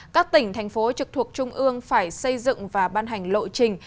các tỉnh thành phố trực thuộc trung ương phải xây dựng và ban hành lộ trình